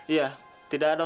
iya tidak ada